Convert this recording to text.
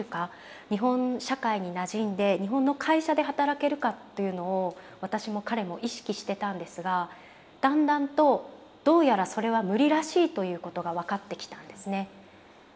日本社会になじんで日本の会社で働けるかというのを私も彼も意識してたんですがだんだんとどうやらそれは無理らしいということが分かってきたんですね。